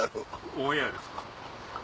オンエアですか？